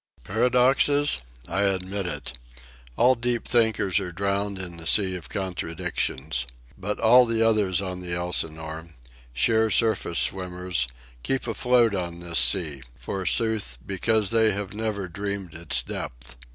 Paradoxes? I admit it. All deep thinkers are drowned in the sea of contradictions. But all the others on the Elsinore, sheer surface swimmers, keep afloat on this sea—forsooth, because they have never dreamed its depth.